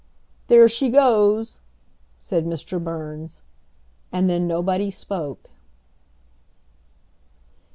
"There she goes!" said Mr. Burns, and then nobody spoke.